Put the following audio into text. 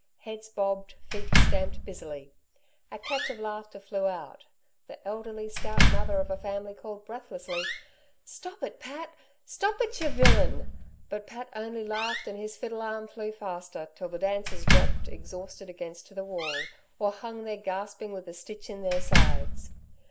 Heads bobbed, feet stamped busily. A catch of laughter flew out. The elderly, stout mother of a family called breathlessly: "Stop it, Pat! Stop it, ye villain!" But Pat only laughed and his fiddle arm flew faster, till the dancers dropped exhausted against the wall, or hung there gasping with a stitch in their sides.